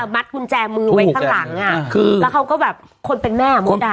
มัดกุญแจมือไว้ข้างหลังอ่ะคือแล้วเขาก็แบบคนเป็นแม่มดอ่ะ